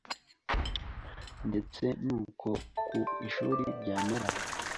ndetse n’uko ku shuri byamera